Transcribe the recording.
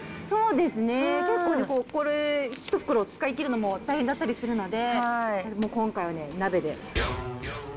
そうですね、ちょっとこれ、１袋使い切るのは大変だったりするので、今回は鍋で。